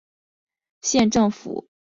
县政府驻龙城镇。